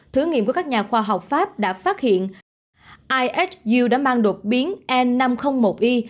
thử nghiệm của các nhà khoa học pháp đã phát hiện isu đã mang đột biến n năm trăm linh một i